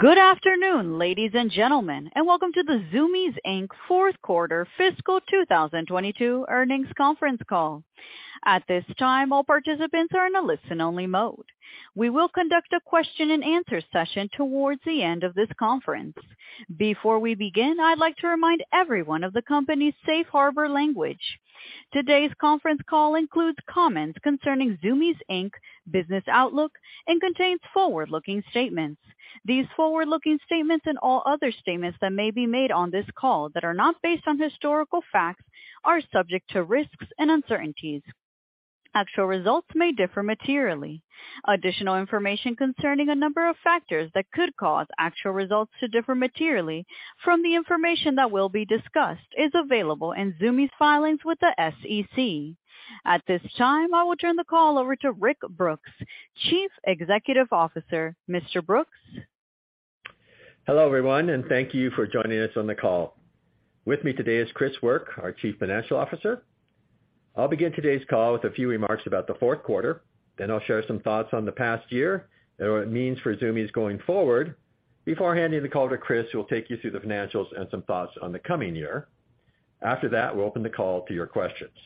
Good afternoon, ladies and gentlemen, and welcome to the Zumiez Inc. fourth quarter fiscal 2022 earnings conference call. At this time, all participants are in a listen-only mode. We will conduct a question and answer session towards the end of this conference. Before we begin, I'd like to remind everyone of the company's safe harbor language. Today's conference call includes comments concerning Zumiez Inc. business outlook and contains forward-looking statements. These forward-looking statements and all other statements that may be made on this call that are not based on historical facts are subject to risks and uncertainties. Actual results may differ materially. Additional information concerning a number of factors that could cause actual results to differ materially from the information that will be discussed is available in Zumiez filings with the SEC. At this time, I will turn the call over to Rick Brooks, Chief Executive Officer. Mr. Brooks? Hello, everyone, thank you for joining us on the call. With me today is Chris Work, our Chief Financial Officer. I'll begin today's call with a few remarks about the fourth quarter. I'll share some thoughts on the past year and what it means for Zumiez going forward before handing the call to Chris, who will take you through the financials and some thoughts on the coming year. After that, we'll open the call to your questions.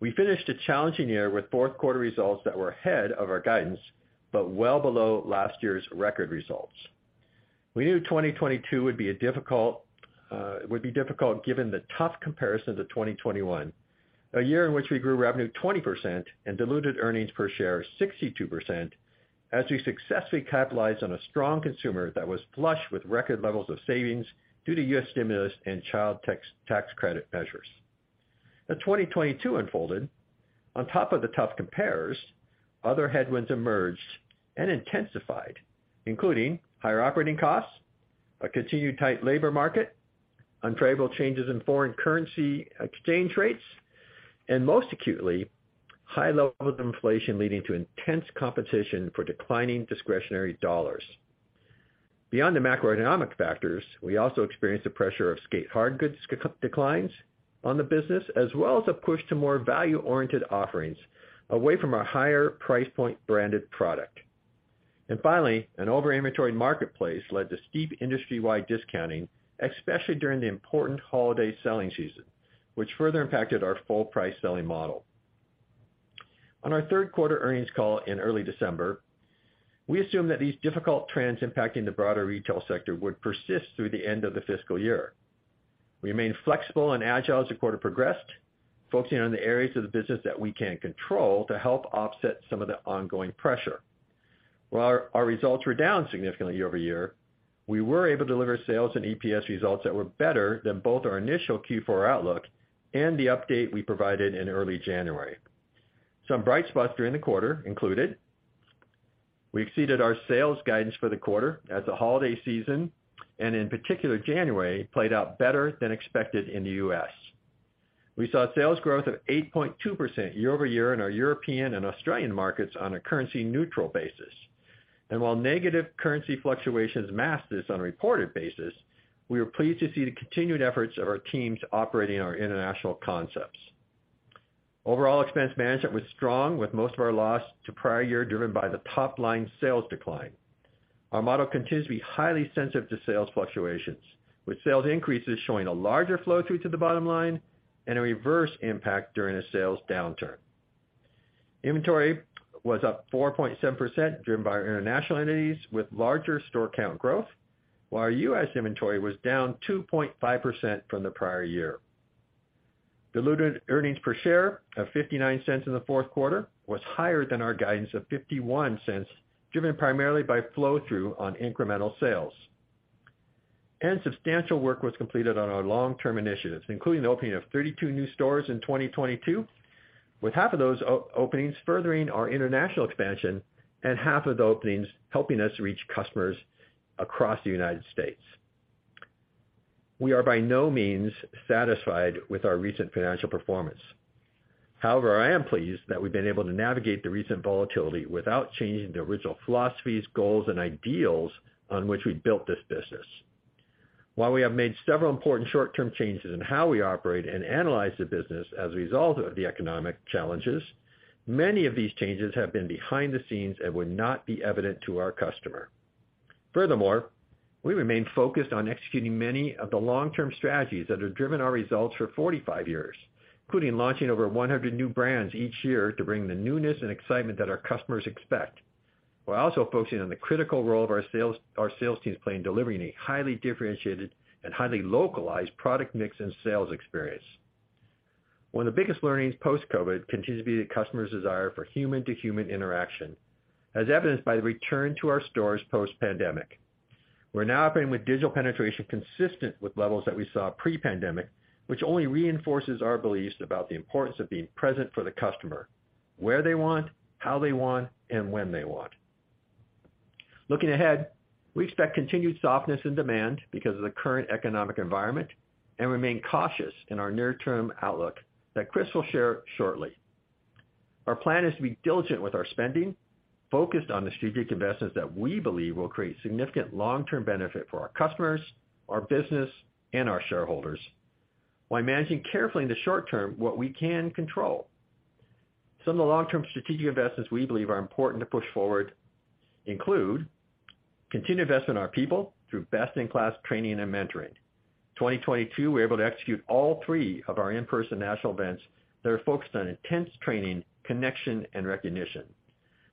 We finished a challenging year with fourth quarter results that were ahead of our guidance, but well below last year's record results. We knew 2022 would be difficult given the tough comparisons of 2021, a year in which we grew revenue 20% and diluted EPS 62% as we successfully capitalized on a strong consumer that was flush with record levels of savings due to US stimulus and Child Tax Credit measures. As 2022 unfolded, on top of the tough compares, other headwinds emerged and intensified, including higher operating costs, a continued tight labor market, unfavorable changes in foreign currency exchange rates, and most acutely, high levels of inflation leading to intense competition for declining discretionary dollars. Beyond the macroeconomic factors, we also experienced the pressure of skate hardgoods declines on the business, as well as a push to more value-oriented offerings away from our higher price point branded product. Finally, an over-inventoried marketplace led to steep industry-wide discounting, especially during the important holiday selling season, which further impacted our full price selling model. On our third quarter earnings call in early December, we assumed that these difficult trends impacting the broader retail sector would persist through the end of the fiscal year. We remained flexible and agile as the quarter progressed, focusing on the areas of the business that we can control to help offset some of the ongoing pressure. While our results were down significantly year-over-year, we were able to deliver sales and EPS results that were better than both our initial Q4 outlook and the update we provided in early January. Some bright spots during the quarter included, we exceeded our sales guidance for the quarter as the holiday season, and in particular January, played out better than expected in the US. We saw sales growth of 8.2% year-over-year in our European and Australian markets on a currency neutral basis. While negative currency fluctuations masked this on a reported basis, we were pleased to see the continued efforts of our teams operating our international concepts. Overall expense management was strong, with most of our loss to prior year driven by the top line sales decline. Our model continues to be highly sensitive to sales fluctuations, with sales increases showing a larger flow-through to the bottom line and a reverse impact during a sales downturn. Inventory was up 4.7%, driven by our international entities with larger store count growth, while our US inventory was down 2.5% from the prior year. Diluted EPS of $0.59 in the fourth quarter was higher than our guidance of $0.51, driven primarily by flow-through on incremental sales. Substantial work was completed on our long-term initiatives, including the opening of 32 new stores in 2022, with half of those openings furthering our international expansion and half of the openings helping us reach customers across the United States. We are by no means satisfied with our recent financial performance. However, I am pleased that we've been able to navigate the recent volatility without changing the original philosophies, goals, and ideals on which we built this business. While we have made several important short-term changes in how we operate and analyze the business as a result of the economic challenges, many of these changes have been behind the scenes and would not be evident to our customer. Furthermore, we remain focused on executing many of the long-term strategies that have driven our results for 45 years, including launching over 100 new brands each year to bring the newness and excitement that our customers expect. We're also focusing on the critical role of our sales teams play in delivering a highly differentiated and highly localized product mix and sales experience. One of the biggest learnings post-COVID continues to be the customer's desire for human to human interaction, as evidenced by the return to our stores post pandemic. We're now operating with digital penetration consistent with levels that we saw pre-pandemic, which only reinforces our beliefs about the importance of being present for the customer where they want, how they want, and when they want. Looking ahead, we expect continued softness and demand because of the current economic environment and remain cautious in our near-term outlook that Chris will share shortly. Our plan is to be diligent with our spending, focused on the strategic investments that we believe will create significant long-term benefit for our customers, our business, and our shareholders, while managing carefully in the short term what we can control. Some of the long-term strategic investments we believe are important to push forward include continued investment in our people through best-in-class training and mentoring. 2022, we're able to execute all three of our in-person national events that are focused on intense training, connection, and recognition.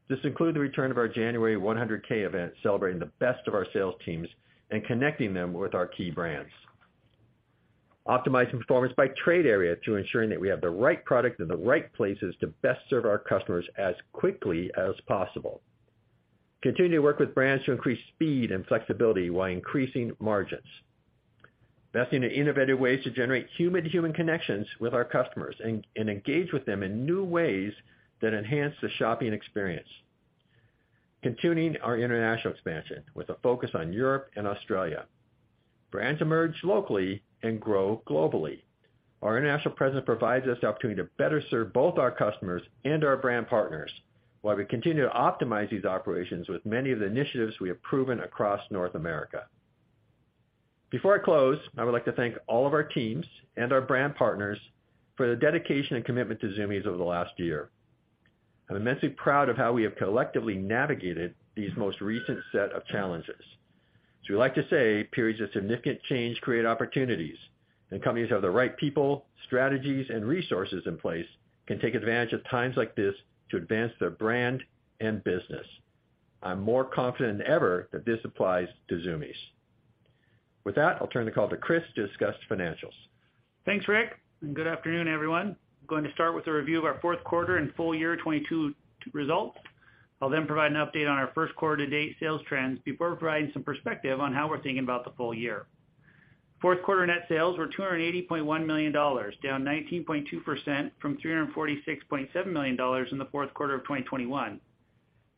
This included the return of our January 100K event, celebrating the best of our sales teams and connecting them with our key brands. Optimizing performance by trade area to ensuring that we have the right product in the right places to best serve our customers as quickly as possible. Continuing to work with brands to increase speed and flexibility while increasing margins. Investing in innovative ways to generate human-to-human connections with our customers and engage with them in new ways that enhance the shopping experience. Continuing our international expansion with a focus on Europe and Australia. Brands emerge locally and grow globally. Our international presence provides us the opportunity to better serve both our customers and our brand partners, while we continue to optimize these operations with many of the initiatives we have proven across North America. Before I close, I would like to thank all of our teams and our brand partners for their dedication and commitment to Zumiez over the last year. I'm immensely proud of how we have collectively navigated these most recent set of challenges. As we like to say, periods of significant change create opportunities, and companies who have the right people, strategies, and resources in place can take advantage of times like this to advance their brand and business. I'm more confident than ever that this applies to Zumiez. With that, I'll turn the call to Chris to discuss financials. Thanks, Rick. Good afternoon, everyone. I'm going to start with a review of our fourth quarter and full year 2022 results. I'll then provide an update on our first quarter to date sales trends before providing some perspective on how we're thinking about the full year. Fourth quarter net sales were $280.1 million, down 19.2% from $346.7 million in the fourth quarter of 2021.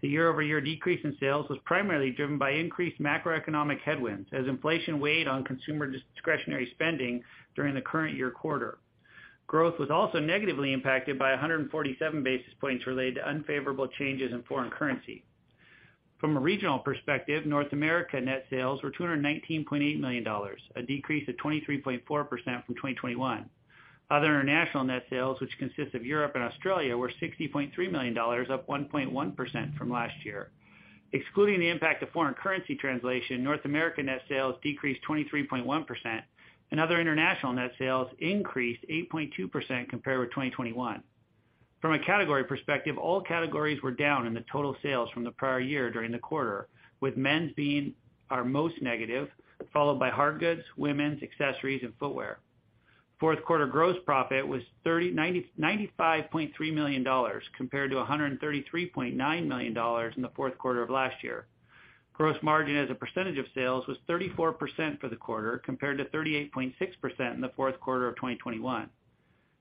The year-over-year decrease in sales was primarily driven by increased macroeconomic headwinds as inflation weighed on consumer discretionary spending during the current year quarter. Growth was also negatively impacted by 147 basis points related to unfavorable changes in foreign currency. From a regional perspective, North America net sales were $219.8 million, a decrease of 23.4% from 2021. Other international net sales, which consist of Europe and Australia, were $60.3 million, up 1.1% from last year. Excluding the impact of foreign currency translation, North America net sales decreased 23.1% and other international net sales increased 8.2% compared with 2021. From a category perspective, all categories were down in the total sales from the prior year during the quarter, with men's being our most negative, followed by hardgoods, women's accessories, and footwear. Fourth quarter gross profit was $95.3 million compared to $133.9 million in the fourth quarter of last year. Gross margin as a percentage of sales was 34% for the quarter compared to 38.6% in the fourth quarter of 2021.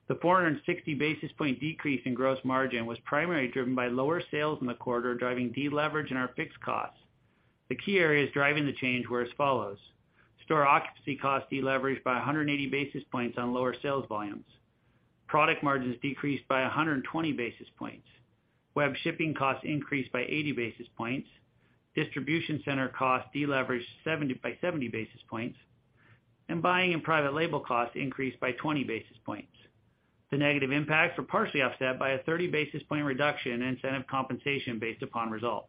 The 460 basis point decrease in gross margin was primarily driven by lower sales in the quarter, driving deleverage in our fixed costs. The key areas driving the change were as follows: store occupancy costs deleveraged by 180 basis points on lower sales volumes. Product margins decreased by 120 basis points. Web shipping costs increased by 80 basis points. Distribution center costs deleveraged by 70 basis points, and buying and private label costs increased by 20 basis points. The negative impacts were partially offset by a 30 basis point reduction in incentive compensation based upon results.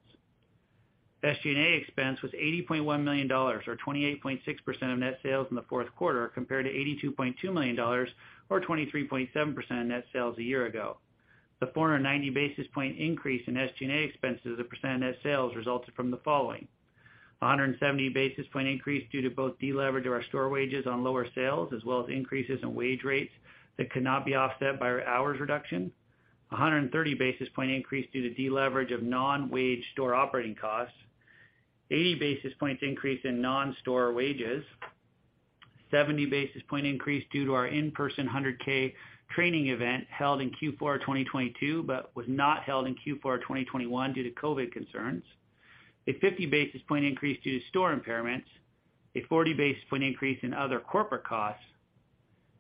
SG&A expense was $80.1 million, or 28.6% of net sales in the fourth quarter, compared to $82.2 million, or 23.7% of net sales a year ago. The 490 basis point increase in SG&A expenses as a % of net sales resulted from the following: A 170 basis point increase due to both deleverage of our store wages on lower sales, as well as increases in wage rates that could not be offset by our hours reduction. A 130 basis point increase due to deleverage of non-wage store operating costs. 80 basis points increase in non-store wages. 70 basis point increase due to our in-person 100K training event held in Q4 2022, but was not held in Q4 2021 due to COVID concerns. A 50 basis point increase due to store impairments. A 40 basis point increase in other corporate costs.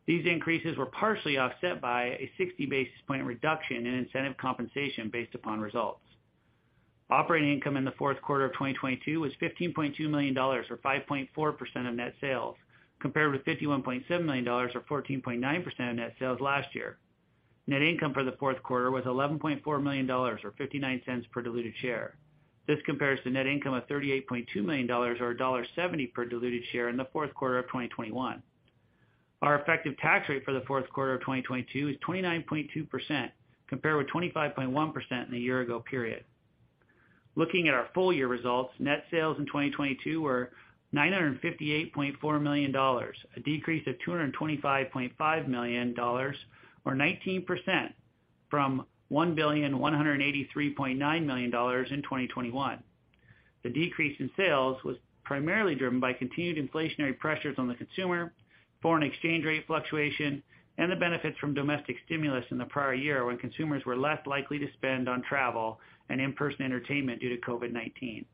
These increases were partially offset by a 60 basis point reduction in incentive compensation based upon results. Operating income in the fourth quarter of 2022 was $15.2 million, or 5.4% of net sales, compared with $51.7 million, or 14.9% of net sales last year. Net income for the fourth quarter was $11.4 million, or $0.59 per diluted share. This compares to net income of $38.2 million or $1.70 per diluted share in the fourth quarter of 2021. Our effective tax rate for the fourth quarter of 2022 is 29.2%, compared with 25.1% in the year ago period. Looking at our full year results, net sales in 2022 were $958.4 million, a decrease of $225.5 million or 19% from $1,183.9 million in 2021. The decrease in sales was primarily driven by continued inflationary pressures on the consumer, foreign exchange rate fluctuation, and the benefits from domestic stimulus in the prior year, when consumers were less likely to spend on travel and in-person entertainment due to COVID-19.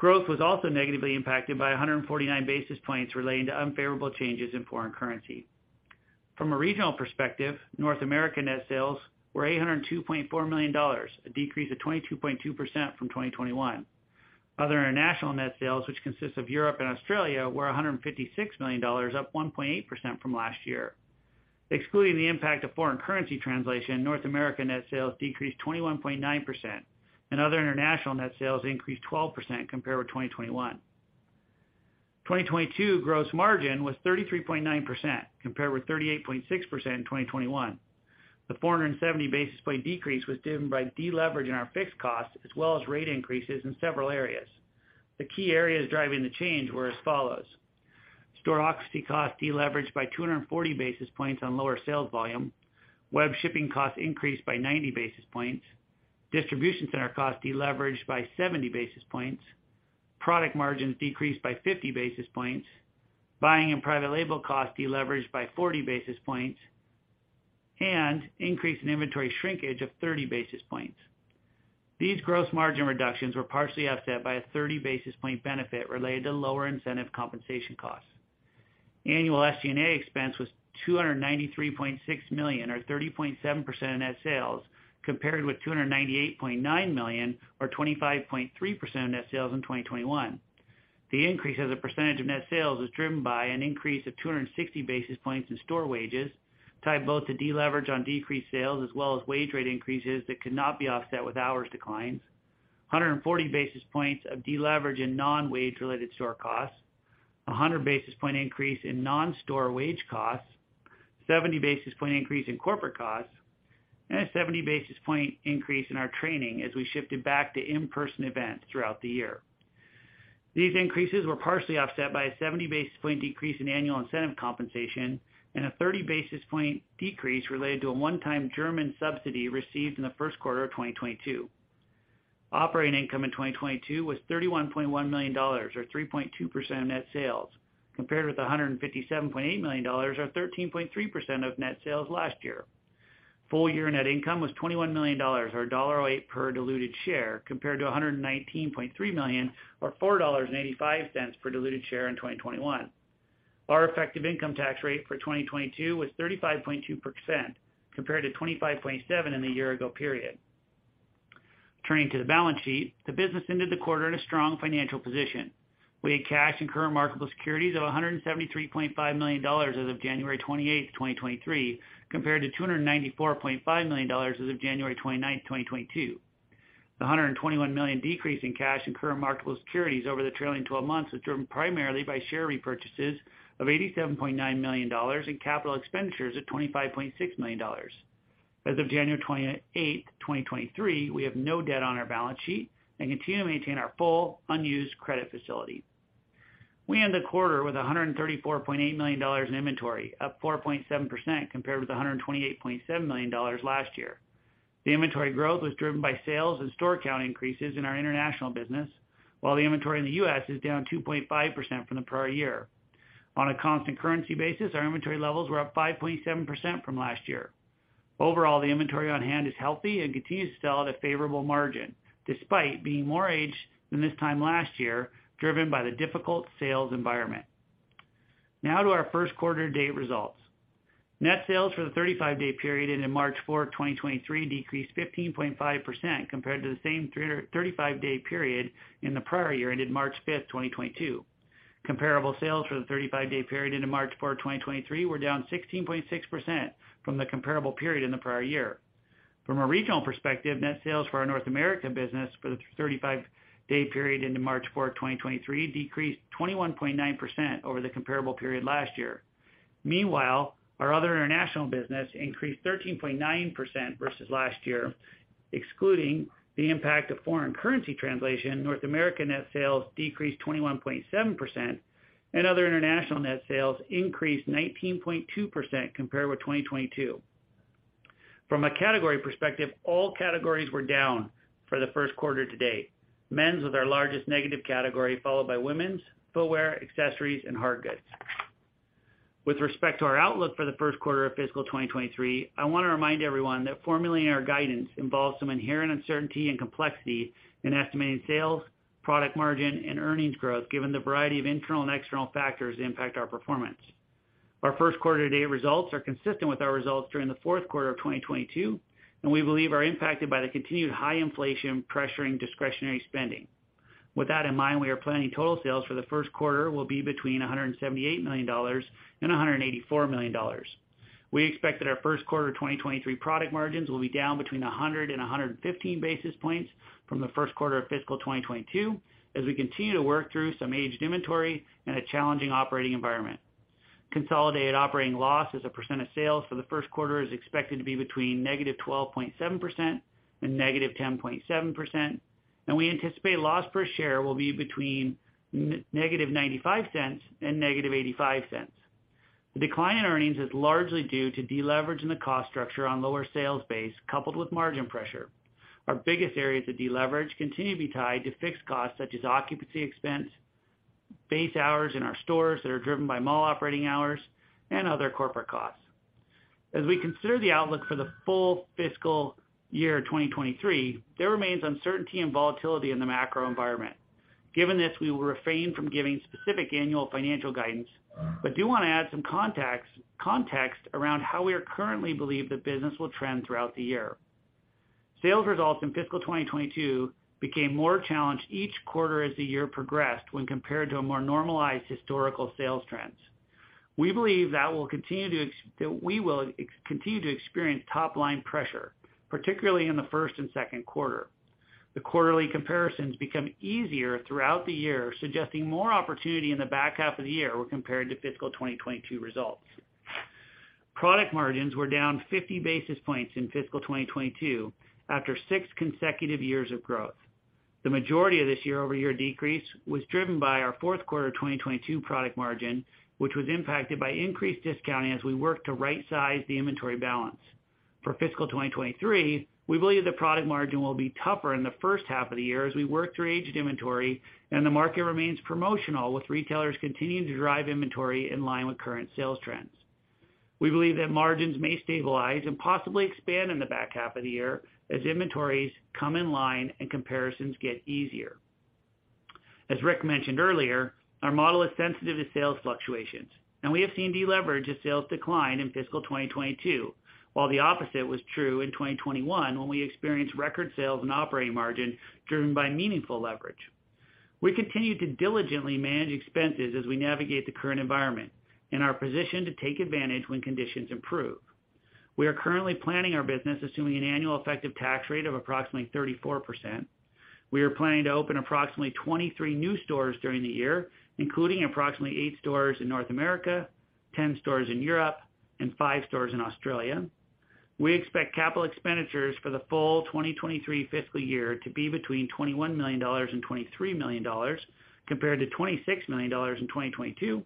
Growth was also negatively impacted by 149 basis points relating to unfavorable changes in foreign currency. From a regional perspective, North America net sales were $802.4 million, a decrease of 22.2% from 2021. Other international net sales, which consists of Europe and Australia, were $156 million, up 1.8% from last year. Excluding the impact of foreign currency translation, North American net sales decreased 21.9% and other international net sales increased 12% compared with 2021. 2022 gross margin was 33.9% compared with 38.6% in 2021. The 470 basis point decrease was driven by deleveraging our fixed costs as well as rate increases in several areas. The key areas driving the change were as follows: store occupancy costs deleveraged by 240 basis points on lower sales volume, web shipping costs increased by 90 basis points, distribution center costs deleveraged by 70 basis points, product margins decreased by 50 basis points, buying and private label costs deleveraged by 40 basis points, and increase in inventory shrinkage of 30 basis points. These gross margin reductions were partially offset by a 30 basis point benefit related to lower incentive compensation costs. Annual SG&A expense was $293.6 million or 30.7% of net sales, compared with $298.9 million or 25.3% of net sales in 2021. The increase as a percentage of net sales is driven by an increase of 260 basis points in store wages, tied both to deleverage on decreased sales as well as wage rate increases that could not be offset with hours declines. 140 basis points of deleverage in non-wage related store costs, a 100 basis point increase in non-store wage costs, a 70 basis point increase in corporate costs, and a 70 basis point increase in our training as we shifted back to in-person events throughout the year. These increases were partially offset by a 70 basis point decrease in annual incentive compensation and a 30 basis point decrease related to a one-time German subsidy received in the first quarter of 2022. Operating income in 2022 was $31.1 million or 3.2% of net sales, compared with $157.8 million or 13.3% of net sales last year. Full year net income was $21 million or $1.08 per diluted share, compared to $119.3 million or $4.85 per diluted share in 2021. Our effective income tax rate for 2022 was 35.2% compared to 25.7% in the year ago period. Turning to the balance sheet, the business ended the quarter in a strong financial position. We had cash and current marketable securities of $173.5 million as of January 28, 2023, compared to $294.5 million as of January 29, 2022. The $121 million decrease in cash and current marketable securities over the trailing 12 months was driven primarily by share repurchases of $87.9 million and capital expenditures of $25.6 million. As of January 28, 2023, we have no debt on our balance sheet and continue to maintain our full unused credit facility. We end the quarter with $134.8 million in inventory, up 4.7% compared with $128.7 million last year. The inventory growth was driven by sales and store count increases in our international business, while the inventory in the U.S. is down 2.5% from the prior year. On a constant currency basis, our inventory levels were up 5.7% from last year. Overall, the inventory on hand is healthy and continues to sell at a favorable margin, despite being more aged than this time last year, driven by the difficult sales environment. Now to our first quarter to date results. Net sales for the 35-day period ended March 4, 2023, decreased 15.5% compared to the same 35-day period in the prior year ended March 5, 2022. Comparable sales for the 35-day period into March 4, 2023, were down 16.6% from the comparable period in the prior year. From a regional perspective, net sales for our North America business for the 35-day period into March 4th, 2023, decreased 21.9% over the comparable period last year. Meanwhile, our other international business increased 13.9% versus last year. Excluding the impact of foreign currency translation, North American net sales decreased 21.7% and other international net sales increased 19.2% compared with 2022. From a category perspective, all categories were down for the first quarter to date. Men's was our largest negative category, followed by women's, footwear, accessories, and hardgoods. With respect to our outlook for the first quarter of fiscal 2023, I wanna remind everyone that formulating our guidance involves some inherent uncertainty and complexity in estimating sales, product margin, and earnings growth, given the variety of internal and external factors that impact our performance. Our first quarter to date results are consistent with our results during the fourth quarter of 2022, we believe are impacted by the continued high inflation pressuring discretionary spending. With that in mind, we are planning total sales for the first quarter will be between $178 million and $184 million. We expect that our first quarter 2023 product margins will be down between 100 and 115 basis points from the first quarter of fiscal 2022 as we continue to work through some aged inventory and a challenging operating environment. Consolidated operating loss as a percent of sales for the first quarter is expected to be between -12.7% and -10.7%. We anticipate loss per share will be between -$0.95 and -$0.85. The decline in earnings is largely due to deleveraging the cost structure on lower sales base coupled with margin pressure. Our biggest areas of deleverage continue to be tied to fixed costs such as occupancy expense, base hours in our stores that are driven by mall operating hours, and other corporate costs. As we consider the outlook for the full fiscal year 2023, there remains uncertainty and volatility in the macro environment. Given this, we will refrain from giving specific annual financial guidance, but do wanna add some context around how we are currently believe the business will trend throughout the year. Sales results in fiscal 2022 became more challenged each quarter as the year progressed when compared to a more normalized historical sales trends. We believe that we will continue to experience top line pressure, particularly in the first and second quarter. The quarterly comparisons become easier throughout the year, suggesting more opportunity in the back half of the year when compared to fiscal 2022 results. Product margins were down 50 basis points in fiscal 2022 after 6 consecutive years of growth. The majority of this year-over-year decrease was driven by our fourth quarter 2022 product margin, which was impacted by increased discounting as we worked to right size the inventory balance. For fiscal 2023, we believe the product margin will be tougher in the first half of the year as we work through aged inventory and the market remains promotional, with retailers continuing to drive inventory in line with current sales trends. We believe that margins may stabilize and possibly expand in the back half of the year as inventories come in line and comparisons get easier. As Rick mentioned earlier, our model is sensitive to sales fluctuations, and we have seen deleverage as sales decline in fiscal 2022, while the opposite was true in 2021, when we experienced record sales and operating margin driven by meaningful leverage. We continue to diligently manage expenses as we navigate the current environment and are positioned to take advantage when conditions improve. We are currently planning our business assuming an annual effective tax rate of approximately 34%. We are planning to open approximately 23 new stores during the year, including approximately 8 stores in North America, 10 stores in Europe, and 5 stores in Australia. We expect capital expenditures for the full 2023 fiscal year to be between $21 million and $23 million, compared to $26 million in 2022.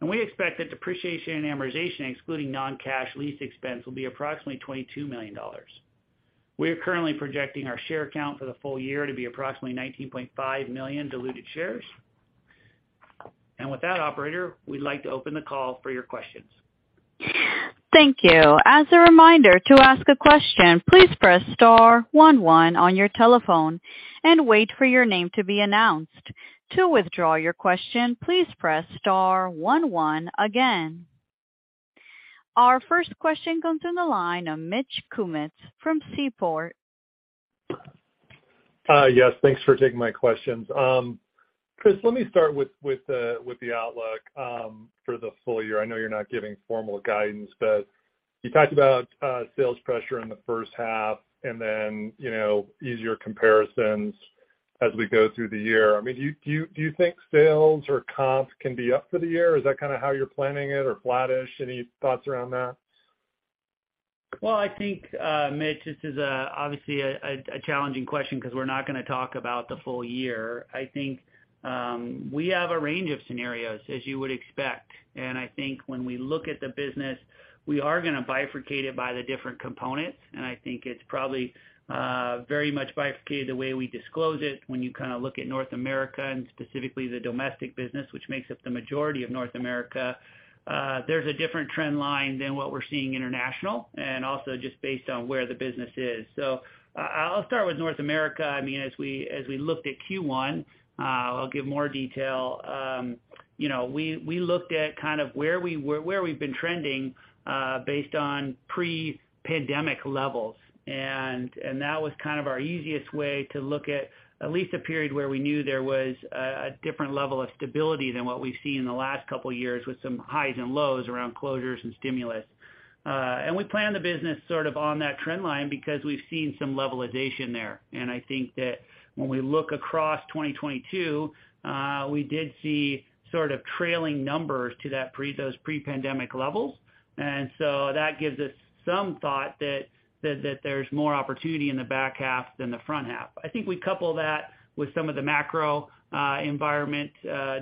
We expect that depreciation and amortization, excluding non-cash lease expense, will be approximately $22 million. We are currently projecting our share count for the full year to be approximately 19.5 million diluted shares. With that, operator, we'd like to open the call for your questions. Thank you. As a reminder to ask a question, please press star one one on your telephone and wait for your name to be announced. To withdraw your question, please press star one one again. Our first question comes in the line of Mitch Kummetz from Seaport. Yes, thanks for taking my questions. Chris, let me start with with the outlook for the full year. I know you're not giving formal guidance, but you talked about sales pressure in the first half and then, you know, easier comparisons as we go through the year. I mean, do you think sales or comps can be up for the year? Is that kind of how you're planning it, or flattish? Any thoughts around that? Well, I think Mitch, this is obviously a challenging question because we're not gonna talk about the full year. I think we have a range of scenarios, as you would expect. I think when we look at the business, we are gonna bifurcate it by the different components. I think it's probably very much bifurcated the way we disclose it when you kind of look at North America and specifically the domestic business, which makes up the majority of North America, there's a different trend line than what we're seeing international and also just based on where the business is. I'll start with North America. I mean, as we, as we looked at Q1, I'll give more detail. You know, we looked at kind of where we've been trending, based on pre-pandemic levels. That was kind of our easiest way to look at at least a period where we knew there was a different level of stability than what we've seen in the last couple of years, with some highs and lows around closures and stimulus. We planned the business sort of on that trend line because we've seen some levelization there. I think that when we look across 2022, we did see sort of trailing numbers to those pre-pandemic levels. That gives us some thought that there's more opportunity in the back half than the front half. I think we couple that with some of the macro environment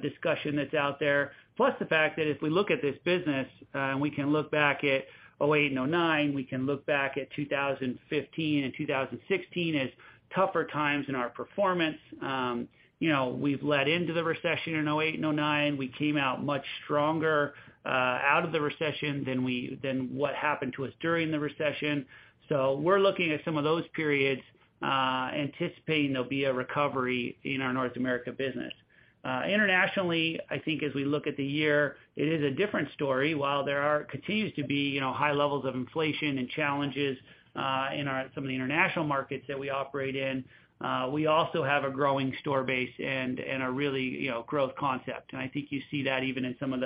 discussion that's out there. Plus the fact that if we look at this business, and we can look back at 2008 and 2009, we can look back at 2015 and 2016 as tougher times in our performance. you know, we've let into the recession in 2008 and 2009. We came out much stronger out of the recession than what happened to us during the recession. We're looking at some of those periods, anticipating there'll be a recovery in our North America business. Internationally, I think as we look at the year, it is a different story. While continues to be, you know, high levels of inflation and challenges in some of the international markets that we operate in, we also have a growing store base and a really, you know, growth concept. I think you see that even in some of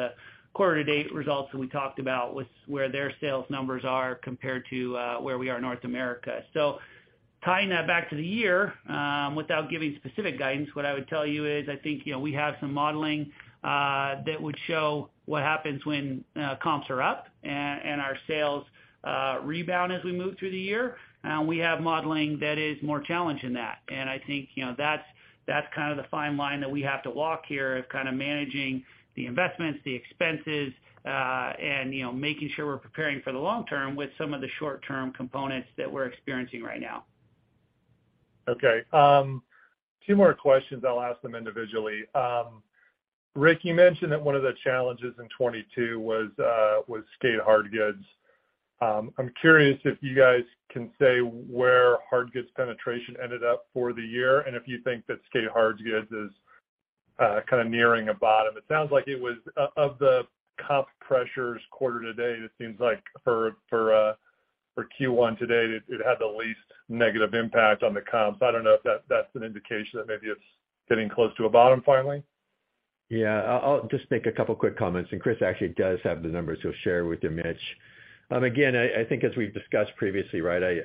the quarter to date results that we talked about with where their sales numbers are compared to where we are in North America. Tying that back to the year, without giving specific guidance, what I would tell you is I think, you know, we have some modeling that would show what happens when comps are up and our sales rebound as we move through the year. We have modeling that is more challenged than that. I think, you know, that's kind of the fine line that we have to walk here of kind of managing the investments, the expenses, and, you know, making sure we're preparing for the long term with some of the short term components that we're experiencing right now. Okay. Two more questions. I'll ask them individually. Rick, you mentioned that one of the challenges in 2022 was skate hardgoods. I'm curious if you guys can say where hardgoods penetration ended up for the year and if you think that skate hardgoods is kind of nearing a bottom. It sounds like it was of the comp pressures quarter to date, it seems like for Q1 today that it had the least negative impact on the comps. I don't know if that's an indication that maybe it's getting close to a bottom finally. Yeah. I'll just make a couple quick comments, Chris Work actually does have the numbers he'll share with you, Mitch. Again, I think as we've discussed previously, right, I,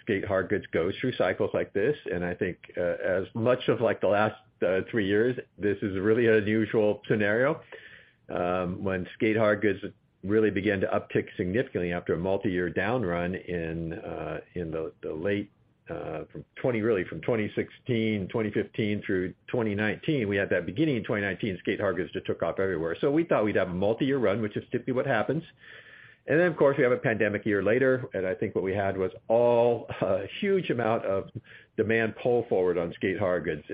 skate hardgoods goes through cycles like this. I think, as much of like the last, 3 years, this is a really unusual scenario. When skate hardgoods really began to uptick significantly after a multi-year down run in the late, from 2016, 2015 through 2019. We had that beginning in 2019, skate hardgoods just took off everywhere. We thought we'd have a multi-year run, which is typically what happens. Then, of course, we have a pandemic year later, and I think what we had was all a huge amount of demand pull forward on skate hardgoods.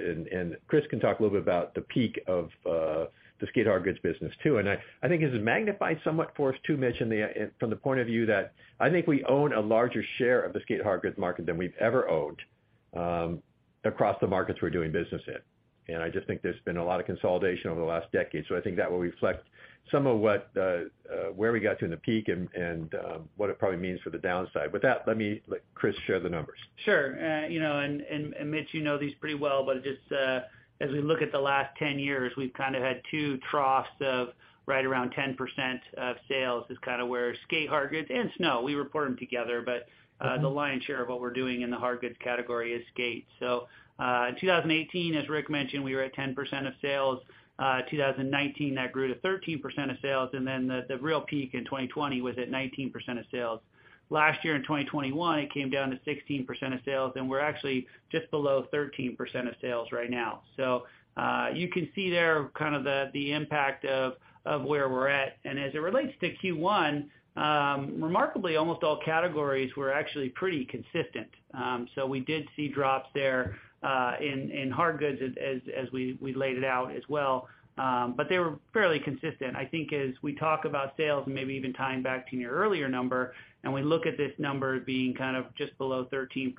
Chris Work can talk a little bit about the peak of the skate hardgoods business too. I think it's magnified somewhat for us too, Mitch, in the from the point of view that I think we own a larger share of the skate hardgoods market than we've ever owned, across the markets we're doing business in. I just think there's been a lot of consolidation over the last decade. I think that will reflect some of what the where we got to in the peak and what it probably means for the downside. With that, let me let Chris Work share the numbers. Sure. You know, Mitch, you know these pretty well, as we look at the last 10 years, we've kind of had two troughs of right around 10% of sales is kind of where skate hardgoods and snow, we report them together. The lion's share of what we're doing in the hardgoods category is skate. In 2018, as Rick mentioned, we were at 10% of sales. 2019, that grew to 13% of sales. The real peak in 2020 was at 19% of sales. Last year, in 2021, it came down to 16% of sales, and we're actually just below 13% of sales right now. You can see there kind of the impact of where we're at. As it relates to Q1, remarkably, almost all categories were actually pretty consistent. We did see drops there in hardgoods as we laid it out as well. They were fairly consistent. I think as we talk about sales and maybe even tying back to your earlier number, and we look at this number being kind of just below 13%,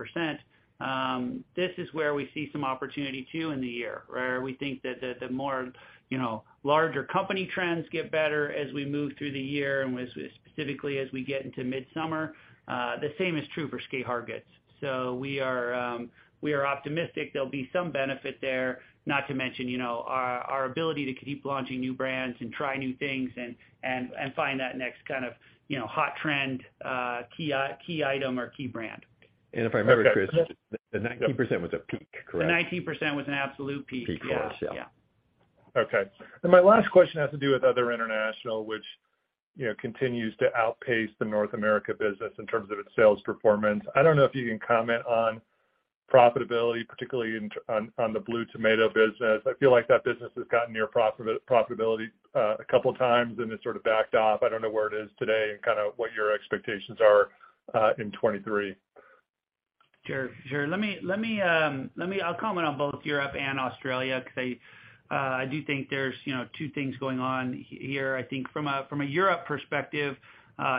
this is where we see some opportunity too in the year, where we think that the more, you know, larger company trends get better as we move through the year specifically as we get into midsummer. The same is true for skate hardgoods. We are optimistic there'll be some benefit there. Not to mention, you know, our ability to keep launching new brands and try new things and find that next kind of, you know, hot trend, key item or key brand. If I remember, Chris, the 19% was a peak, correct? The 19% was an absolute peak. Peak for us, yeah. Yeah. Yeah. Okay. My last question has to do with other international, which, you know, continues to outpace the North America business in terms of its sales performance. I don't know if you can comment on profitability, particularly on the Blue Tomato business. I feel like that business has gotten near profitability a couple times, and it sort of backed off. I don't know where it is today and kind of what your expectations are in 2023. Sure. Let me, I'll comment on both Europe and Australia 'cause I do think there's, you know, two things going on here. I think from a Europe perspective,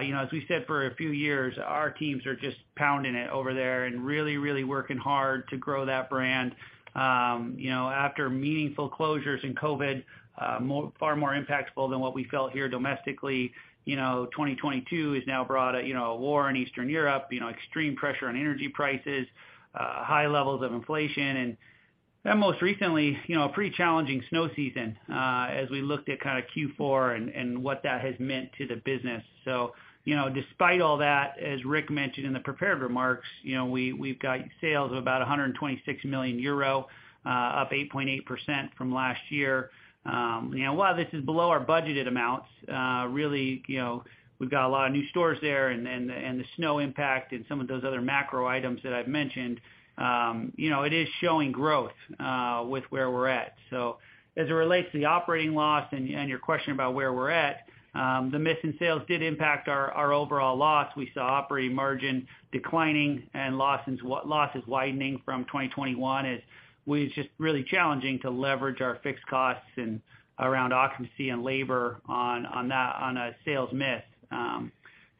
you know, as we said for a few years, our teams are just pounding it over there and really working hard to grow that brand. You know, after meaningful closures in COVID, more, far more impactful than what we felt here domestically. You know, 2022 has now brought a, you know, a war in Eastern Europe, you know, extreme pressure on energy prices, high levels of inflation, and then most recently, you know, a pretty challenging snow season, as we looked at kind of Q4 and what that has meant to the business. You know, despite all that, as Rick mentioned in the prepared remarks, you know, we've got sales of about 126 million euro, up 8.8% from last year. You know, while this is below our budgeted amounts, really, you know, we've got a lot of new stores there and the snow impact and some of those other macro items that I've mentioned, you know, it is showing growth with where we're at. As it relates to the operating loss and your question about where we're at, the missing sales did impact our overall loss. We saw operating margin declining and losses widening from 2021 as was just really challenging to leverage our fixed costs around occupancy and labor on that, on a sales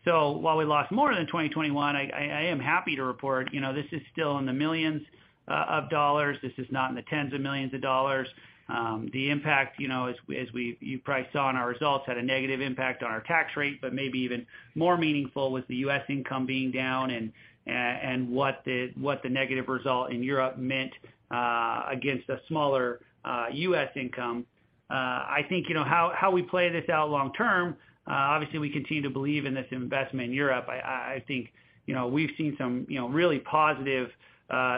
miss. While we lost more than in 2021, I am happy to report, you know, this is still in the $ millions. This is not in the $ tens of millions. The impact, you know, as you probably saw in our results, had a negative impact on our tax rate, but maybe even more meaningful with the U.S. income being down and what the negative result in Europe meant against a smaller U.S. income. I think, you know, how we play this out long term, obviously we continue to believe in this investment in Europe. I think, you know, we've seen some, you know, really positive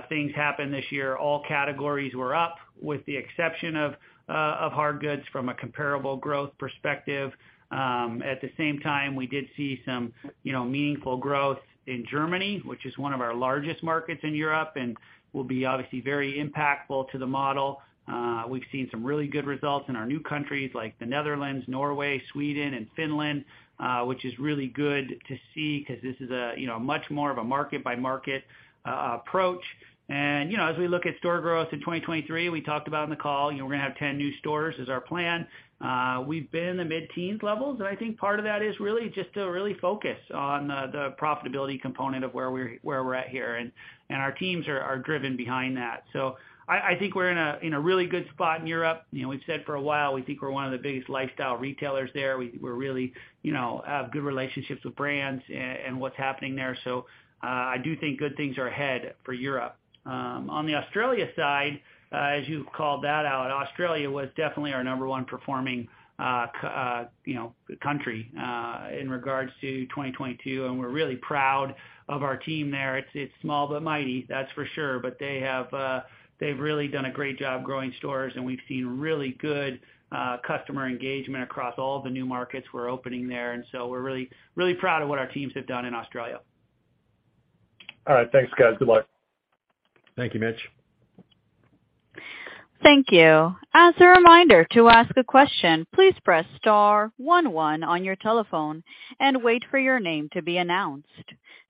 things happen this year. All categories were up, with the exception of hardgoods from a comparable growth perspective. At the same time, we did see some, you know, meaningful growth in Germany, which is one of our largest markets in Europe and will be obviously very impactful to the model. We've seen some really good results in our new countries like the Netherlands, Norway, Sweden, and Finland, which is really good to see 'cause this is a, you know, much more of a market-by-market approach. As we look at store growth in 2023, we talked about on the call, you know, we're gonna have 10 new stores is our plan. We've been in the mid-teens levels, and I think part of that is really just to really focus on the profitability component of where we're at here. Our teams are driven behind that. I think we're in a really good spot in Europe. You know, we've said for a while we think we're one of the biggest lifestyle retailers there. We're really, you know, have good relationships with brands and what's happening there. I do think good things are ahead for Europe. On the Australia side, as you called that out, Australia was definitely our number one performing, you know, country in regards to 2022, and we're really proud of our team there. It's small but mighty, that's for sure. They have, they've really done a great job growing stores, and we've seen really good customer engagement across all the new markets we're opening there. We're really, really proud of what our teams have done in Australia. All right. Thanks, guys. Good luck. Thank you, Mitch. Thank you. As a reminder to ask a question, please press star one one on your telephone and wait for your name to be announced.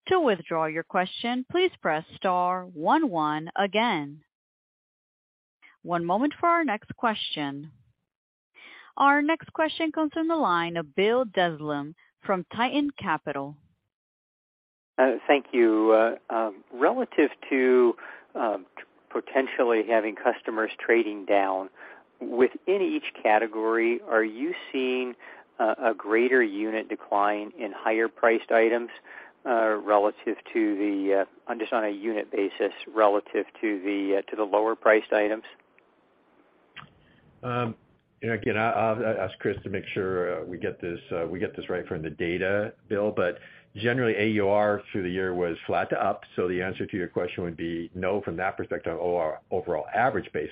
To withdraw your question, please press star one one again. One moment for our next question. Our next question comes from the line of Bill Dezellem from Tieton Capital. Thank you. relative to, potentially having customers trading down within each category, are you seeing a greater unit decline in higher priced items, relative to the, just on a unit basis, relative to the, to the lower priced items? Again, I'll ask Chris to make sure we get this, we get this right from the data Bill, but generally AUR through the year was flat to up. The answer to your question would be no from that perspective or our overall average base.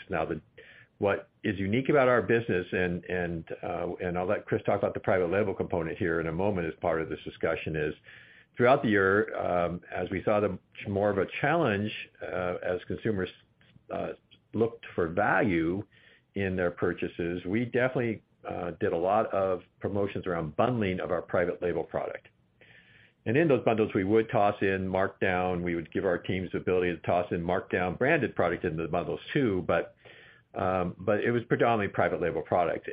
What is unique about our business and I'll let Chris talk about the private label component here in a moment as part of this discussion is throughout the year, as we saw more of a challenge, as consumers looked for value in their purchases, we definitely did a lot of promotions around bundling of our private label product. In those bundles, we would toss in markdown. We would give our teams the ability to toss in markdown branded product into the bundles too. It was predominantly private label product.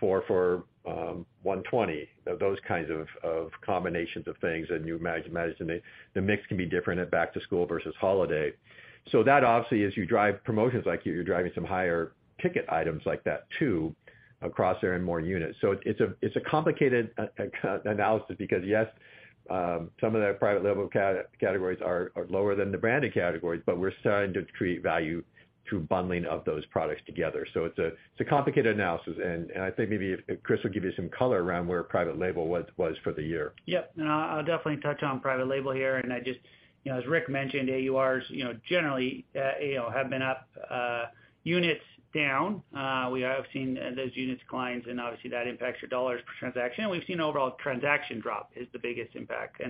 Four for $120, those kinds of combinations of things. You imagine the mix can be different at back to school versus holiday. That obviously as you drive promotions like you're driving some higher ticket items like that too, across there and more units. It's a complicated analysis because yes, some of the private label categories are lower than the branded categories, but we're starting to create value through bundling of those products together. It's a complicated analysis. I think maybe if Chris will give you some color around where private label was for the year. Yep. No, I'll definitely touch on private label here. I just, you know, as Rick mentioned, AURs, you know, generally, you know, have been up, units down. We have seen those units declines and obviously that impacts your dollars per transaction. We've seen overall transaction drop is the biggest impact.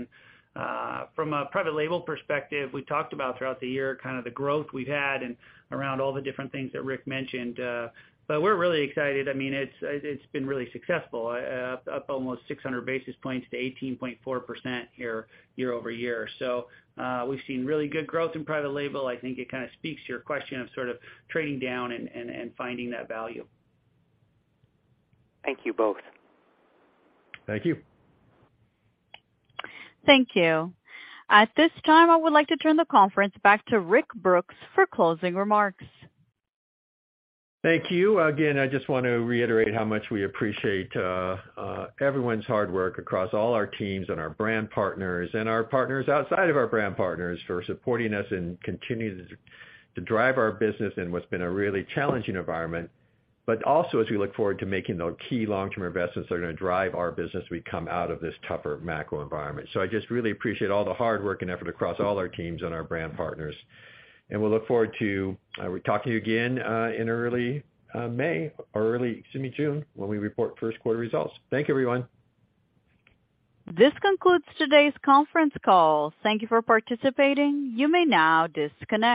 From a private label perspective, we talked about throughout the year, kind of the growth we've had and around all the different things that Rick mentioned. We're really excited. I mean, it's been really successful, up almost 600 basis points to 18.4% year-over-year. We've seen really good growth in private label. I think it kind of speaks to your question of sort of trading down and, and finding that value. Thank you both. Thank you. Thank you. At this time, I would like to turn the conference back to Rick Brooks for closing remarks. Thank you. Again, I just want to reiterate how much we appreciate everyone's hard work across all our teams and our brand partners and our partners outside of our brand partners for supporting us and continuing to drive our business in what's been a really challenging environment. Also as we look forward to making the key long-term investments that are going to drive our business as we come out of this tougher macro environment. I just really appreciate all the hard work and effort across all our teams and our brand partners, and we'll look forward to talking to you again in early May or early excuse me, June, when we report first quarter results. Thank you, everyone. This concludes today's conference call. Thank you for participating. You may now disconnect.